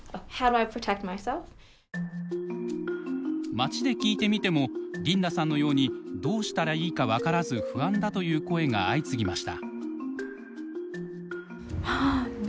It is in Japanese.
街で聞いてみてもリンダさんのようにどうしたらいいか分からず不安だという声が相次ぎました。